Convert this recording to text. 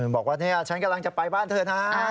บอกว่านี่ฉันกำลังจะไปบ้านเธอนะ